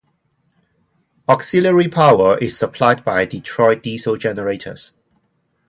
Auxiliary power is supplied by Detroit Diesel generators.